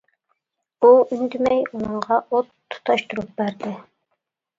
ئۇ ئۈندىمەي ئۇنىڭغا ئوت تۇتاشتۇرۇپ بەردى.